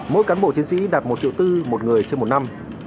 mỗi cán bộ chiến sĩ đạt một triệu bốn một người trên một năm